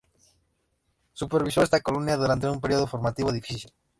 Supervisó esta colonia durante un período formativo difícil.